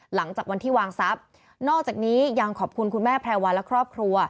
หลังจากวันที่วางทรัพย์นอกจากนี้ยังขอบคุณคุณแม่แพรวาและครอบครัว